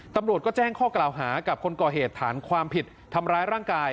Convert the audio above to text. ตำรวจก็แจ้งข้อกล่าวหากับคนก่อเหตุฐานความผิดทำร้ายร่างกาย